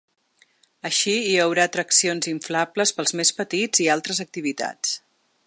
Així hi haurà atraccions inflables pels més petits i altres activitats.